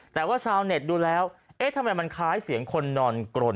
แต่ว่าชาวเน็ตดูแล้วเอ๊ะทำไมมันคล้ายเสียงคนนอนกรน